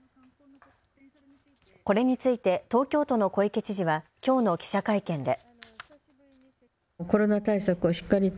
これについて東京都の小池知事はきょうの記者会見で。